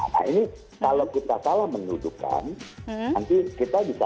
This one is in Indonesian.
nah ini kalau kita salah menunjukkan nanti kita jelaskan